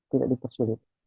tidak di tersulit